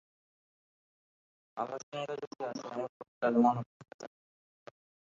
আলাসিঙ্গা যদি আসে, আমার প্রত্যাগমন-অপেক্ষা তাকে করতে হবে।